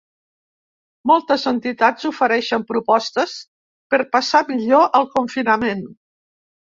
Moltes entitats ofereixen propostes per passar millor el confinament.